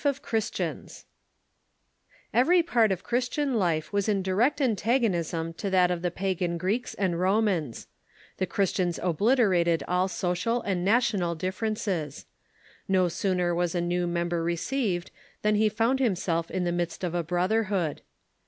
1885).] Evert part of Cliristian life was in direct antagonism to that of the pagan Greeks and Romans. The Christians oblit erated all social and national differences. No sooner was a new member received than he found himself in the midst of a brotherhood.